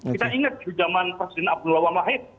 kita ingat di zaman presiden abdul lawan wahid